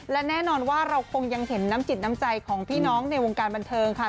และแน่นอนว่าเราคงยังเห็นน้ำจิตน้ำใจของพี่น้องในวงการบันเทิงค่ะ